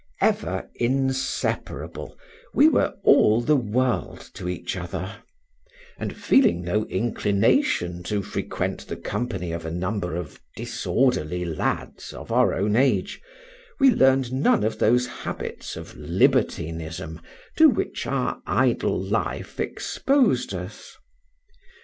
Ever inseparable, we were all the world to each other; and, feeling no inclination to frequent the company of a number of disorderly lads of our own age, we learned none of those habits of libertinism to which our idle life exposed us.